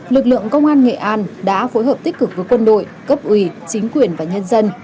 lực lượng công an nghệ an đã phối hợp tích cực với quân đội cấp ủy chính quyền và nhân dân